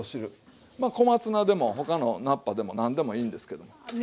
まあ小松菜でも他の菜っぱでも何でもいいんですけども。